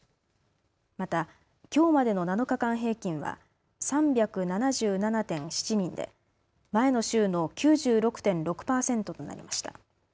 また、きょうまでの７日間平均は３７７．７人で前の週の９６．６％となりました。